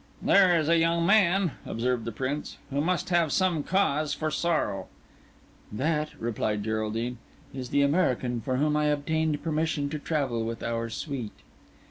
"There is a young man," observed the Prince, "who must have some cause for sorrow." "That," replied Geraldine, "is the American for whom I obtained permission to travel with your suite."